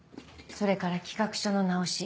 それから企画書の直し